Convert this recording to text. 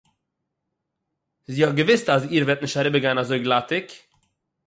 זי האָט געוואוסט אַז איר וועט נישט אַריבערגיין אַזוי גלאַטיג